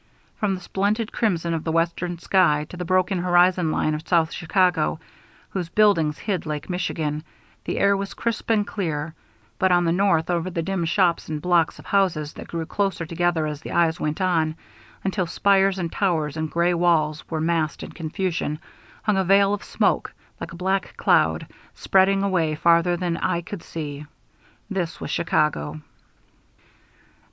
From the splendid crimson of the western sky to the broken horizon line of South Chicago, whose buildings hid Lake Michigan, the air was crisp and clear; but on the north, over the dim shops and blocks of houses that grew closer together as the eye went on, until spires and towers and gray walls were massed in confusion, hung a veil of smoke, like a black cloud, spreading away farther than eye could see. This was Chicago.